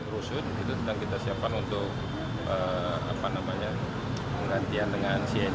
rusun itu kita siapkan untuk apa namanya penggantian dengan cng